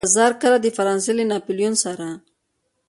تزار کله د فرانسې له ناپلیون سره.